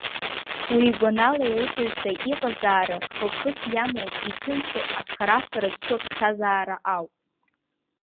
Уи игәанала, ауаҩытәыҩса иҟазаара хықәкыс иамоу, иҭынчу, азхарафара зцу аԥсҭазаара ауп.